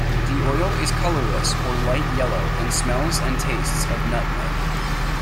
The oil is colorless or light yellow and smells and tastes of nutmeg.